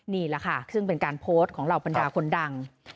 นี่แหละค่ะซึ่งเป็นการโพสต์ของเหล่าบรรดาคนดัง